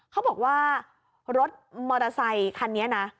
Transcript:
เขาบอกว่ารถมอเตอร์ไซคันนี้นะ